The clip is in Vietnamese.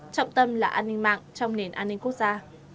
trọng tâm là an ninh mạng trong nền an ninh quốc gia